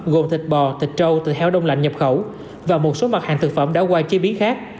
gồm thịt bò thịt trâu từ heo đông lạnh nhập khẩu và một số mặt hàng thực phẩm đã qua chế biến khác